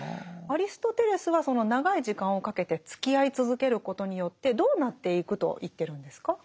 アリストテレスはその長い時間をかけてつきあい続けることによってどうなっていくと言ってるんですか？